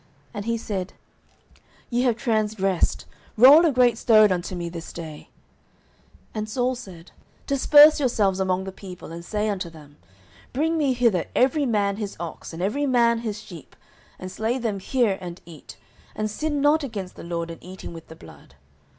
And he said, Ye have transgressed: roll a great stone unto me this day. 09:014:034 And Saul said, Disperse yourselves among the people, and say unto them, Bring me hither every man his ox, and every man his sheep, and slay them here, and eat; and sin not against the LORD in eating with the blood.